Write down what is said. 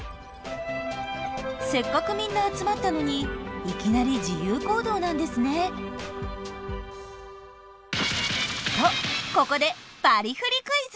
せっかくみんな集まったのにいきなり自由行動なんですね。とここでバリフリ・クイズ。